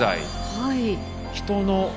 はい。